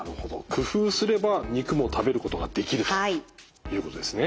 工夫すれば肉も食べることができるということですね。